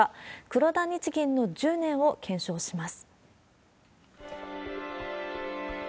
黒田日銀の１０年を検証します。